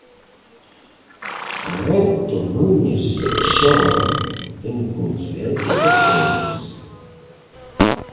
Alberto Núñez Feixóo en conferencia de prensa.